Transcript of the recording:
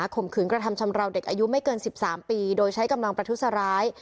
ข่มขืนกระทำชำราวเด็กอายุไม่เกิน๑๓ปีโดยใช้กำลังประทุษร้าย